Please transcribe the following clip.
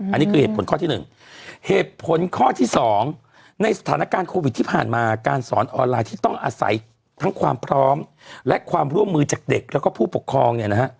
อันนี้คือเหตุผลข้อที่๑เหตุผลข้อที่๒ในสถานการณ์โควิดที่ผ่านมาการสอนออนไลน์ที่ต้องอาศัยทั้งความพร้อมและความร่วมมือจากเด็กแล้วก็ผู้ปกครองเนี่ยนะฮะ